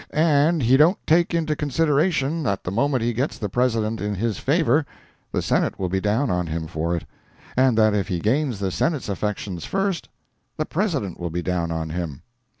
And he don't take into consideration that the moment he gets the President in his favor the Senate will be down on him for it, and that if he gains the Senate's affections first, the President will be down on him.